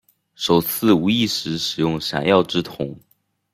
首次无意识使用闪耀之瞳。